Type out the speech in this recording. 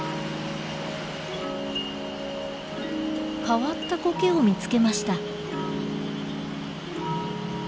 変わったコケを見つけました。